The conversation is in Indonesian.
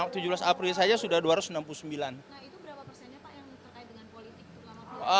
nah itu berapa persennya pak yang terkait dengan politik